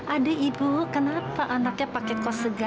aduh ibu kenapa anaknya pake kos segan